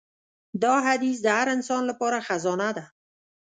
دا حدیث د هر انسان لپاره خزانه ده.